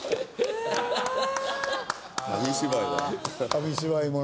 紙芝居だ。